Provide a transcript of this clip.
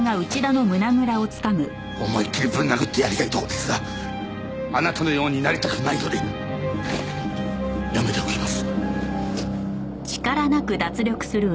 思いっきりぶん殴ってやりたいとこですがあなたのようになりたくないのでやめておきます。